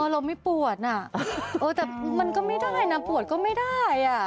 เราไม่ปวดน่ะแต่มันก็ไม่ได้นะปวดก็ไม่ได้อ่ะ